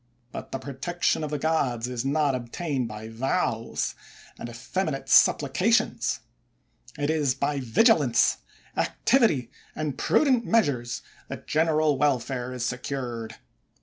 But the protection of the gods is not obtained by vows and effeminate suppli cations ; it is by vigilance, activity, and prudent measures, that general welfare is secured.